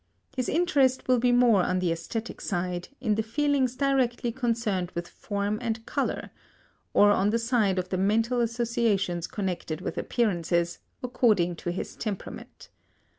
His interest will be more on the aesthetic side, in the feelings directly concerned with form and colour; or on the side of the mental associations connected with appearances, according to his temperament.